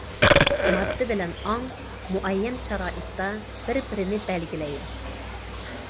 ماددا بىلەن ئاڭ مۇئەييەن شارائىتتا بىر- بىرىنى بەلگىلەيدۇ.